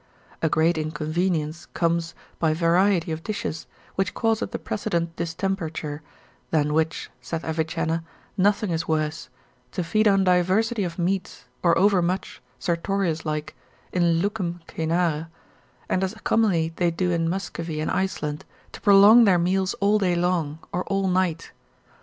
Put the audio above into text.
A great inconvenience comes by variety of dishes, which causeth the precedent distemperature, than which (saith Avicenna) nothing is worse; to feed on diversity of meats, or overmuch, Sertorius like, in lucem caenare, and as commonly they do in Muscovy and Iceland, to prolong their meals all day long, or all night.